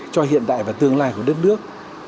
cho hiện đại và tương lai của đất nước